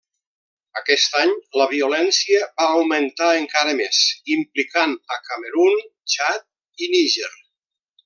Aquest any la violència va augmentar encara més, implicant a Camerun, Txad i Níger.